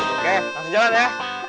oke langsung jalan ya